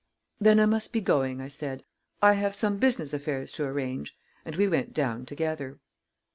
"Then I must be going," I said; "I have some business affairs to arrange," and we went down together.